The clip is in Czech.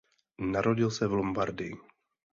Narodil se v Lombardii.